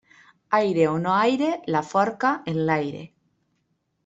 Aire o no aire, la forca enlaire.